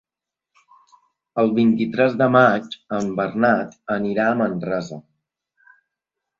El vint-i-tres de maig en Bernat anirà a Manresa.